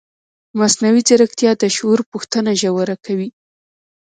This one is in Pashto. مصنوعي ځیرکتیا د شعور پوښتنه ژوره کوي.